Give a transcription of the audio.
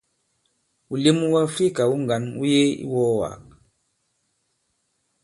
Wùlem wu Àfrikà wu ŋgǎn wu yebe i iwɔ̄ɔwàk.